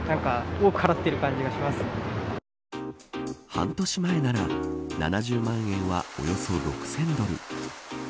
半年前なら７０万円はおよそ６０００ドル。